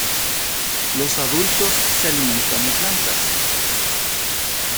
Los adultos se alimentan de plantas.